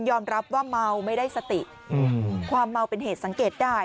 รับว่าเมาไม่ได้สติความเมาเป็นเหตุสังเกตได้